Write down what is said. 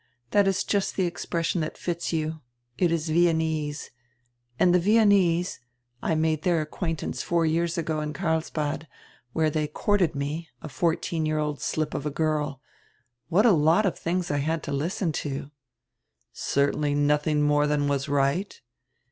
That is just the expression that fits you. It is Viennese. And the Viennese — I made their acquaintance four years ago in Carlshad, where they courted me, a fourteen year old slip of a girl. What a lot of tilings I had to listen to!" "Certainly nothing more than was right."